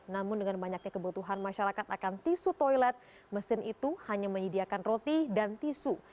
namun dengan banyaknya kebutuhan masyarakat akan tisu toilet mesin itu hanya menyediakan roti dan tisu